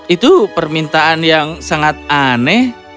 itu permintaan yang sangat aneh